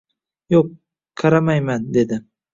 — Yo‘q, qaramayman, — dedi.